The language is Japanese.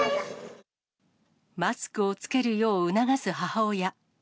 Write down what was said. マスクを着けるよう促す母親。